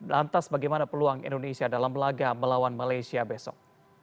lantas bagaimana peluang indonesia dalam laga melawan malaysia besok